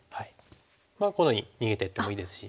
このように逃げていってもいいですし。